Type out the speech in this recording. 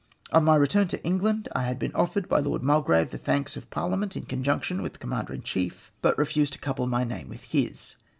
On my return to England I had been offered by Lord Mulgrave the thanks of Parhament in conjunction with the Commander in chief, but refused to couple my name with his.